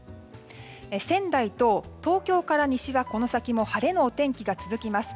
仙台と東京から西が、この先も晴れのお天気が続きます。